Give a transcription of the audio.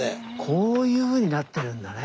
こういうふうになってるんだね。